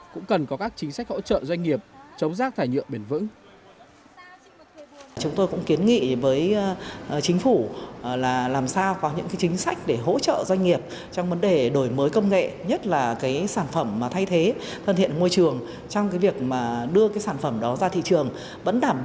cũng cần có các chính sách hỗ trợ doanh nghiệp chống rác thải nhựa bền vững